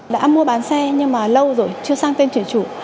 đã mua bán xe nhưng mà lâu rồi chưa sang tên chuyển chủ